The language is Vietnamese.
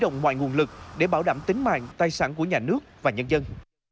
chúng ta cần mọi nguồn lực để bảo đảm tính mạng tài sản của nhà nước và nhân dân